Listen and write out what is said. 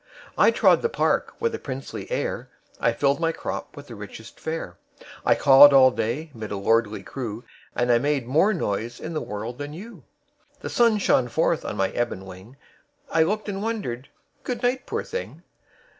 "I trod the park with a princely air, I filled my crop with the richest fare; I cawed all day 'mid a lordly crew, And I made more noise in the world than you! The sun shone forth on my ebon wing; I looked and wondered good night, poor thing!"